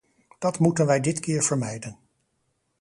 Dat moeten wij dit keer vermijden.